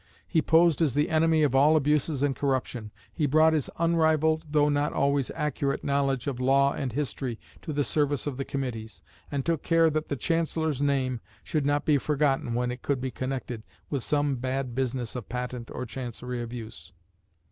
He posed as the enemy of all abuses and corruption. He brought his unrivalled, though not always accurate, knowledge of law and history to the service of the Committees, and took care that the Chancellor's name should not be forgotten when it could be connected with some bad business of patent or Chancery abuse.